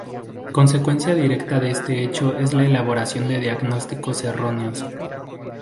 Consecuencia directa de este hecho es la elaboración de diagnósticos erróneos.